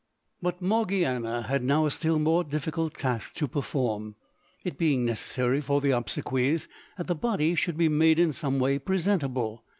But Morgiana had now a still more difficult task to perform, it being necessary for the obsequies that the body should be made in some way presentable.